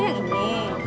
oh yang ini